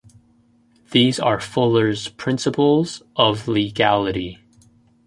These are Fuller's principles of legality.